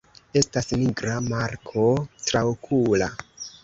Estas nigra marko traokula.